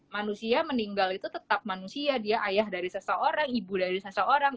manusia meninggal itu tetap manusia dia ayah dari seseorang ibu dari seseorang